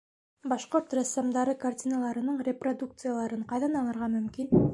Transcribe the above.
Башҡорт рәссамдары картиналарының репродукцияларын ҡайҙан алырга мөмкин?